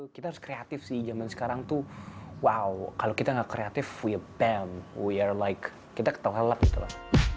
kita harus kreatif sih zaman sekarang tuh wow kalau kita nggak kreatif we are bam we are like kita ketelap telap gitu loh